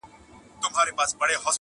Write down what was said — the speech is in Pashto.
ښخېدی به یې په غوښو کي هډوکی،